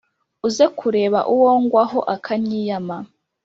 uze kureba uwo ngwaho akanyiyama,